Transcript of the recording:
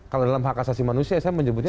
kalau dalam hak asasi manusia saya menyebutnya